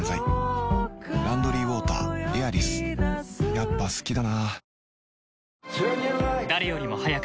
やっぱ好きだな